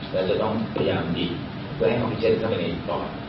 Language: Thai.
และจะต้องพยายามหว่างออฟฟิเช็นเข้าไปในปอด